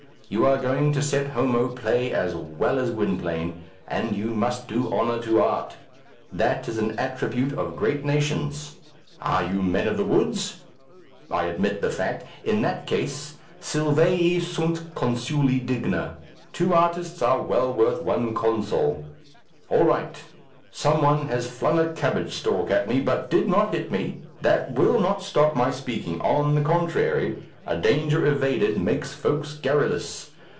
You are going to set Homo play as well as Gwynplaine, and you must do honour to art. That is an attribute of great nations. Are you men of the woods? I admit the fact. In that case, sylvæ sunt consule digna. Two artists are well worth one consul. All right! Some one has flung a cabbage stalk at me, but did not hit me. That will not stop my speaking; on the contrary, a danger evaded makes folks garrulous.